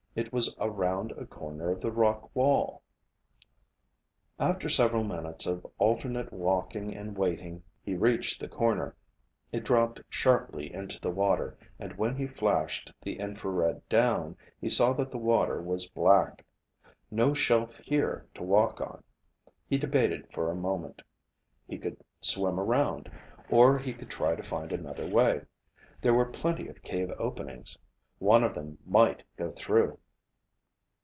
It was around a corner of the rock wall. After several minutes of alternate walking and waiting he reached the corner. It dropped sharply into the water, and when he flashed the infrared down, he saw that the water was black. No shelf here to walk on. He debated for a moment. He could swim around, or he could try to find another way. There were plenty of cave openings. One of them might go through.